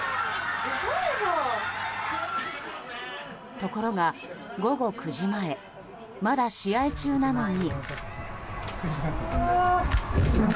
ところが午後９時前まだ試合中なのに。